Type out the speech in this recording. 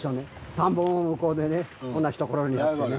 田んぼも向こうでね同じところにあってね。